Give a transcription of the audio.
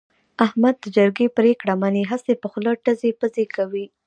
احمد د جرگې پرېکړه مني، هسې په خوله ټزې پزې کوي.